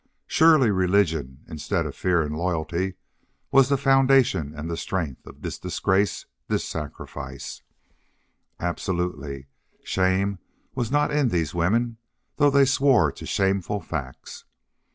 Surely religion, instead of fear and loyalty, was the foundation and the strength of this disgrace, this sacrifice. Absolutely, shame was not in these women, though they swore to shameful facts.